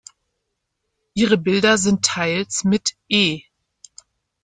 Ihre Bilder sind teils mit "E.